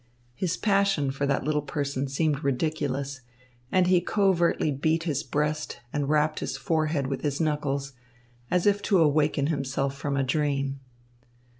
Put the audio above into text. His passion for that little person seemed ridiculous, and he covertly beat his breast and rapped his forehead with his knuckles as if to awaken himself from a dream.